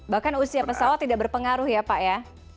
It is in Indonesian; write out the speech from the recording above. bahkan usia pesawat tidak berpengaruh ya pak ya